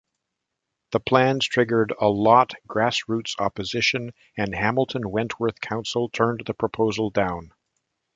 The plans triggered a lot grass-roots opposition, and Hamilton-Wentworth Council turned the proposal down.